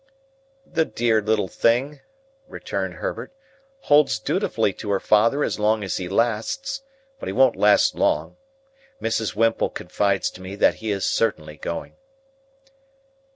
"The dear little thing," returned Herbert, "holds dutifully to her father as long as he lasts; but he won't last long. Mrs. Whimple confides to me that he is certainly going."